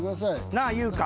「なぁ優香」